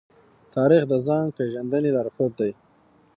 تاریخ د ځان پېژندنې لارښود دی.